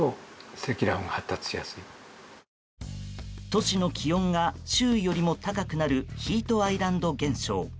都市の気温が周囲よりも高くなるヒートアイランド現象。